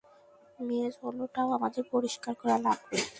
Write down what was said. Mace hall টাও আমাদের পরিষ্কার করা লাগবে।